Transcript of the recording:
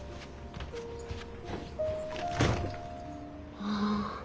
ああ。